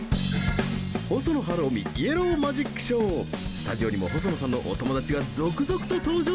スタジオにも細野さんのお友達が続々と登場！